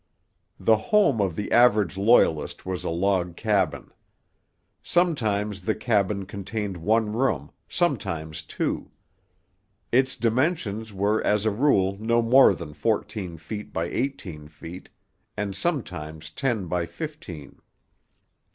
The home of the average Loyalist was a log cabin. Sometimes the cabin contained one room, sometimes two. Its dimensions were as a rule no more than fourteen feet by eighteen feet, and sometimes ten by fifteen.